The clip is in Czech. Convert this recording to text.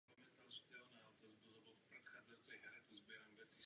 Pro snížení možnosti samoopylení dozrávají vajíčka dříve než pylová zrna.